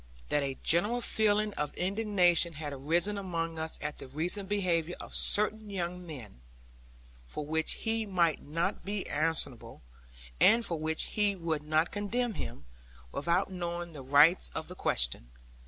That a general feeling of indignation had arisen among us at the recent behaviour of certain young men, for which he might not be answerable, and for which we would not condemn him, without knowing the rights of the question.